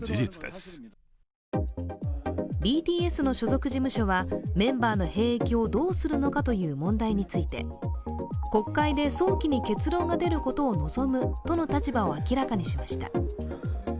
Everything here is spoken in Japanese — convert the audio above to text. ＢＴＳの所属事務所はメンバーの兵役をどうするのかという問題について国会で早期に結論が出ることを望むとの立場を明らかにしました。